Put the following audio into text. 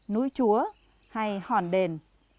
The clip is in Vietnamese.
núi chúa hay hòn đền